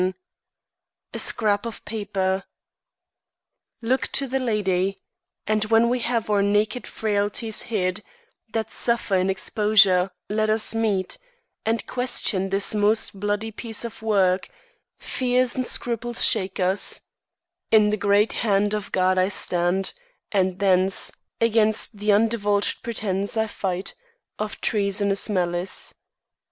V A SCRAP OF PAPER Look to the lady: And when we have our naked frailties hid, That suffer in exposure, let us meet, And question this most bloody piece of work, To know it further. Fears and scruples shake us; In the great hand of God I stand; and, thence, Against the undivulg'd pretence I fight Of treasonous malice.